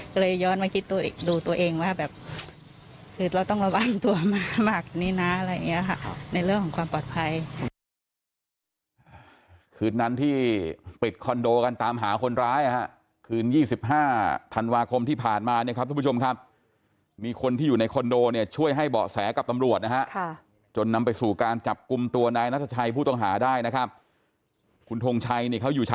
ก็เลยย้อนมาคิดดูตัวเองว่าแบบคือเราต้องระวังตัวมากนี้นะอะไรอย่างนี้ฮะ